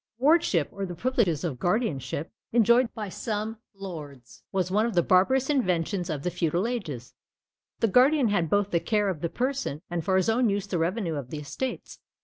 Wardship, or the privilege of guardianship enjoyed by some lords, was one of the barbarous inventions of the feudal ages; the guardian had both the care of the person, and for his own use the revenue of the estates.